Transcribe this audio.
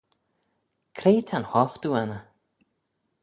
Cre ta'n hoghtoo anney?